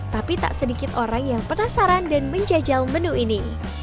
tapi tak sedikit orang yang penasaran dan menjajal menu ini